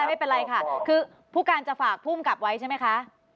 ด้านไปเป็นไรค่ะคือผู้การจะฝากพู่กรับไว้ใช่ไหมคะ